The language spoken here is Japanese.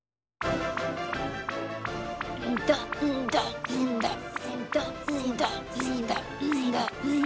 どんどんどんどん。